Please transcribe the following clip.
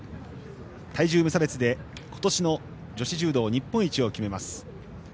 体重無差別で今年の女子柔道日本一を決めます。